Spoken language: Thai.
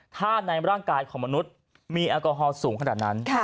ถ้าในร่างกายของมนุษย์มีแอลกอฮอลสูงขนาดนั้น